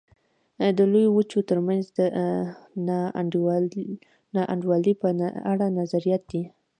د لویو وچو ترمنځ د نا انډولۍ په اړه نظریات دي.